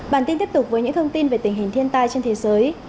bản tin tiếp tục với những thông tin về tình hình thiên tai trên thế giới